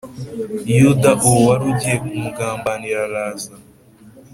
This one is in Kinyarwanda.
Yuda uwo wari ugiye kumugambanira araza